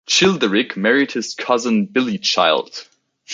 Childeric married his cousin Bilichild.